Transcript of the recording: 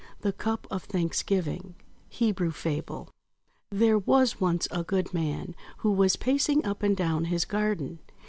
THE CUP OF THANKSGIVING Hebrew Fable THERE was once a good man who was pacing up and down his garden.